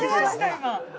今。